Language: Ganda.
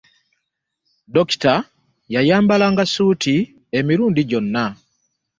Dokita yayambalanga suuti emirundi gyona.